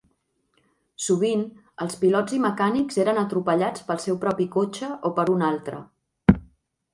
Sovint, els pilots i mecànics eren atropellats pel seu propi cotxe o per un altre.